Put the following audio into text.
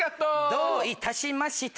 どういたしまして